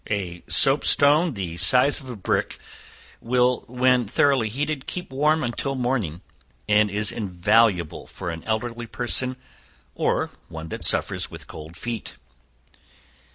A soap stone, the size of a brick will, when thoroughly heated, keep warm till morning, and is invaluable for an elderly person or one that suffers with cold feet.